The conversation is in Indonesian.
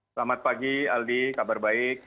selamat pagi aldi kabar baik